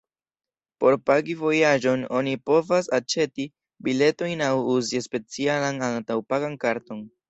Por pagi vojaĝon oni povas aĉeti biletojn aŭ uzi specialan antaŭ-pagan karton.